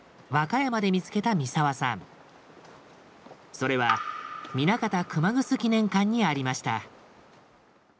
それは南方熊楠記念館にありました。